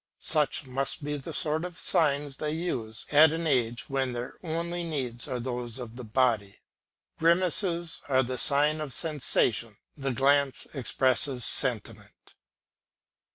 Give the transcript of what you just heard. Such must be the sort of signs they use at an age when their only needs are those of the body. Grimaces are the sign of sensation, the glance expresses sentiment.